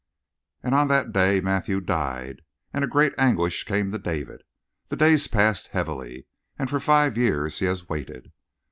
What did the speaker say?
"And on that day Matthew died, and a great anguish came to David. The days passed heavily. And for five years he has waited."